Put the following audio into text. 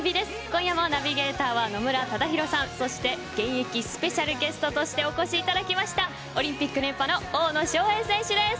今夜もナビゲーターは野村忠宏さんそして現役スペシャルゲストとしてお越しいただいたオリンピック連覇の大野将平選手です。